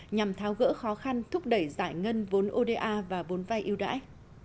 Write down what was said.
nhằm tháo gỡ khó khăn thúc đẩy giải ngân vốn oda và vốn vay ưu đãi